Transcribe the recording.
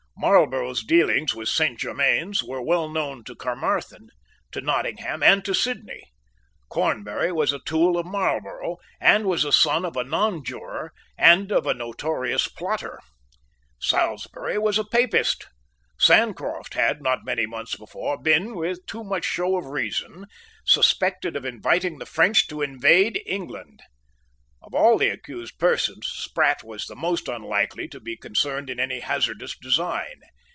Marlborough's dealings with Saint Germains were well known to Caermarthen, to Nottingham, and to Sidney. Cornbury was a tool of Marlborough, and was the son of a nonjuror and of a notorious plotter. Salisbury was a Papist. Sancroft had, not many months before, been, with too much show of reason, suspected of inviting the French to invade England. Of all the accused persons Sprat was the most unlikely to be concerned in any hazardous design.